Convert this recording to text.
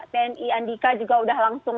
tni andika juga sudah langsung